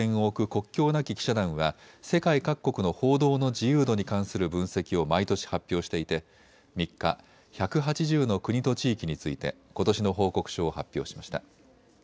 国境なき記者団は世界各国の報道の自由度に関する分析を毎年発表していて３日、１８０の国と地域についてことしの報告書を発表しました。